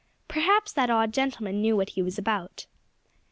Perhaps that odd gentleman knew what he was about.